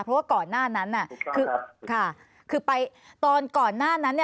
เพราะว่าก่อนหน้านั้นคือไปตอนก่อนหน้านั้น